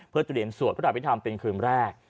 เพื่อเตรียมสวดพระอภิษฐรรมเป็นคืนแรก